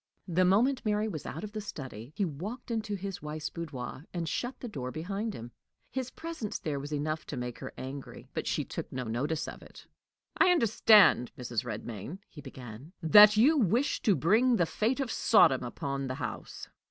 The moment Mary was out of the study, he walked into his wife's boudoir, and shut the door behind him. His presence there was enough to make her angry, but she took no notice of it. "I understand, Mrs. Redmain," he began, "that you wish to bring the fate of Sodom upon the house."